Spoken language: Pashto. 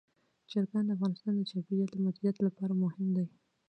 چرګان د افغانستان د چاپیریال د مدیریت لپاره مهم دي.